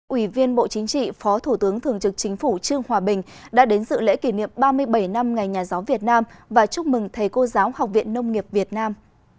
ủy viên bộ chính trị phó thủ tướng thường trực chính phủ trương hòa bình đã đến dự lễ kỷ niệm ba mươi bảy năm ngày nhà giáo việt nam và chúc mừng thầy cô giáo học viện nông nghiệp việt nam